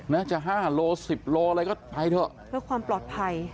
นะจะห้าโลสิบโลอะไรก็ไปเถอะเพื่อความปลอดภัย